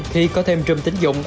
khi có thêm râm tín dụng